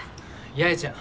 八重ちゃん